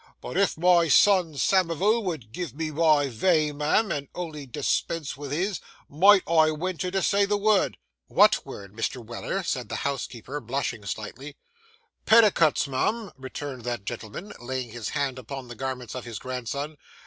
But if my son Samivel vould give me my vay, mum, and only dis pense vith his—might I wenter to say the vurd?' 'What word, Mr. Weller?' said the housekeeper, blushing slightly. 'Petticuts, mum,' returned that gentleman, laying his hand upon the garments of his grandson.